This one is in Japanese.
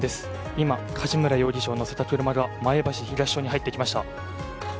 今、梶村容疑者を乗せた車が前橋東署に入っていきました。